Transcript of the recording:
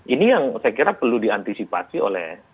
ini yang saya kira perlu diantisipasi oleh